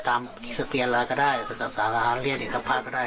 ตามที่สะเตียงอะไรก็ได้สำหรับสารอาหารเรียนอิสระภาพก็ได้